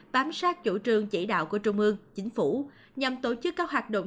bám sát chủ trương chỉ đạo của trung ương chính phủ nhằm tổ chức các hoạt động